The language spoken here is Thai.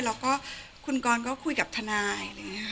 แล้วก็คุณกรก็คุยกับทนาย